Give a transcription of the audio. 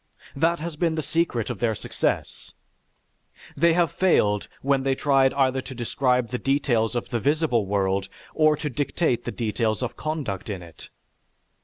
That has been the secret of their success. They have failed when they tried either to describe the details of the visible world or to dictate the details of conduct in it.